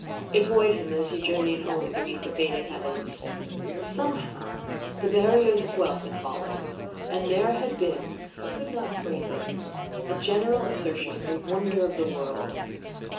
It buoyed him as he journeyed home beneath fading heavens. Somehow the barriers of wealth had fallen, and there had been he could not phrase it a general assertion of the wonder of the world.